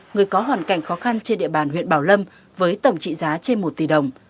người có hoàn cảnh khó khăn trên địa bàn huyện bảo lâm với tổng trị giá trên một tỷ đồng